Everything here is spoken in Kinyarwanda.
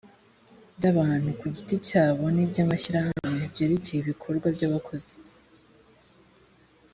by abantu ku giti cyabo n iby amashyirahamwe byerekeye ibikorwa by abakozi